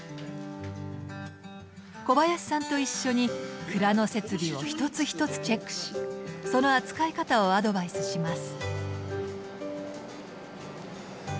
小林さんと一緒に蔵の設備を一つ一つチェックしその扱い方をアドバイスします。